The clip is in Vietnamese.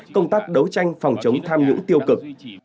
công tác đấu tranh phòng chống tham nhũng tiêu cực